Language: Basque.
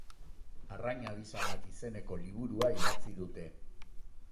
Arrain abisalak izeneko liburua idatzi dute.